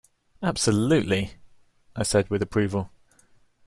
"Absolutely," I said with approval.